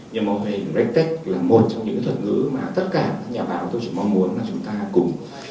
nhờ mô hình regtech là một trong những thuật ngữ mà tất cả các nhà báo tôi chỉ mong muốn là chúng ta cùng